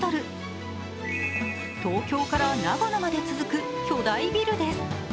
東京から長野まで続く巨大ビルです。